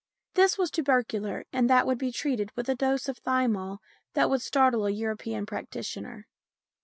This was tubercular, and that would be treated with a dose of thymol that would startle a European practitioner.